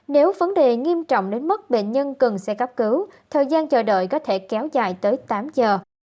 nếu vấn đề nghiêm trọng đến mức bệnh nhân cần xe cấp cứu thời gian chờ đợi có thể kéo dài tới tám giờ